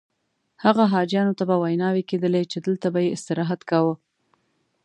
هغه حاجیانو ته به ویناوې کېدلې چې دلته به یې استراحت کاوه.